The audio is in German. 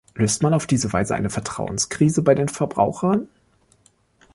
Löst man auf diese Weise eine Vertrauenskrise bei den Verbrauchern?